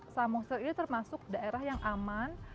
samuser ini termasuk daerah yang aman